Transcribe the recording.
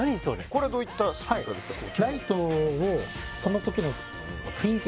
これどういったスピーカーですか？